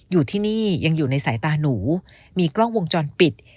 อยู่ที่นี่ยังอยู่ในสายตาหนูมีกล้องวงจรปิด